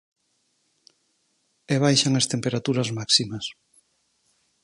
E baixan as temperaturas máximas.